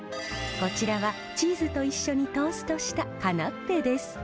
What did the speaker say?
こちらはチーズと一緒にトーストしたカナッペです。